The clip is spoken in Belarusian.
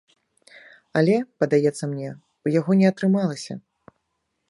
Але, падаецца мне, у яго не атрымалася.